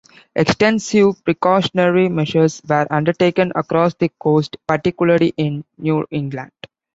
Extensive precautionary measures were undertaken across the coast, particularly in New England.